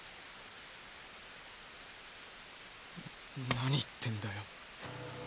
なに言ってんだよ。